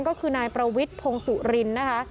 ก็คือนายประวิศพงศุริลล์นะคะ